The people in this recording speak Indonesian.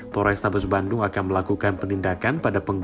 pores tabes bandung akan melakukan penindakan pada pemerintah